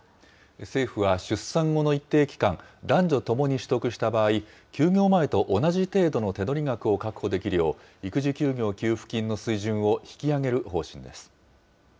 政府は、出産後の一定期間、男女ともに取得した場合、休業前と同じ程度の手取り額を確保できるよう、育児休業給付金の水準を引き上げる方針です。